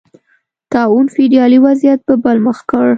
طاعون فیوډالي وضعیت په بل مخ کړ.